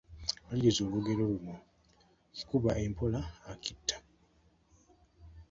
Maliriza olugero luno: Akikuba empola akitta, …….